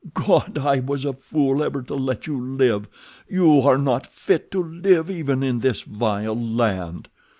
God! I was a fool ever to let you live—you are not fit to live even in this vile land."